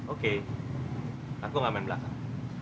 oke aku gak main belakang